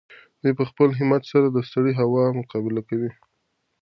دی په خپل همت سره د سړې هوا مقابله کوي.